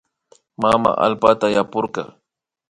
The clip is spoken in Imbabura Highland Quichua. Mama allpata yapurka